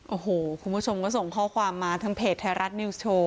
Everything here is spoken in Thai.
โอ้โหคุณผู้ชมก็ส่งข้อความมาทางเพจไทยรัฐนิวส์โชว์